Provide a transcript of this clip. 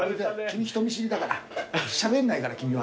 「君人見知りだからしゃべんないから君は」